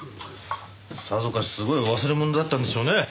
さぞかしすごい忘れ物だったんでしょうね。